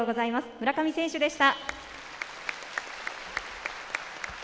村上選手でした。